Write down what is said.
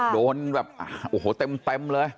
โดนแบบโอ้โหเต็มเลยโอ้โหเต็มเลย